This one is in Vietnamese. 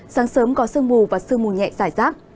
sáng sớm có sương mù và sương mù nhẹ giải rác